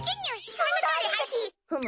そのとおりはぎ！